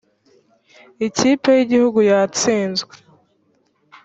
ikipi y’ igihugu ya yatsinzwe.